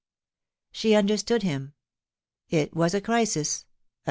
She understood him. It was a crisis — z.